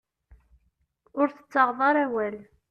Ur tettaɣeḍ ara awal.